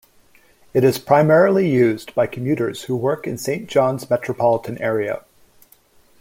It is primarily used by commuters who work in the Saint John's metropolitan area.